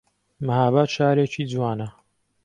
مەهاباد شارێکی جوانە